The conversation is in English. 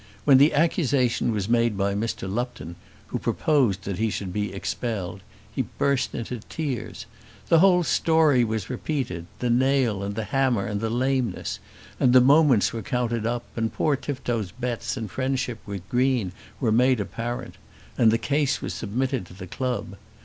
When the accusation was made by Mr. Lupton, who proposed that he should be expelled, he burst into tears. The whole story was repeated, the nail, and the hammer, and the lameness; and the moments were counted up, and poor Tifto's bets and friendship with Green were made apparent, and the case was submitted to the club.